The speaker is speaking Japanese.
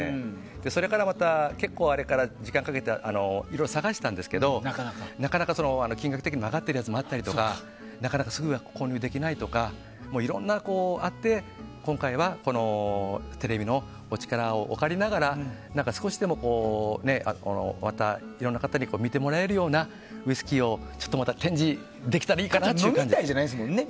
それから、また結構あれから時間をかけていろいろ探したんですけどなかなか金額的に上がっているやつもあったりとかなかなかすぐは購入できないとかいろんなことがあって今回はテレビのお力を借りながら少しでもいろんな方に見てもらえるようなウイスキーをまた展示できたらいいかなと。飲みたいんじゃないんですよね。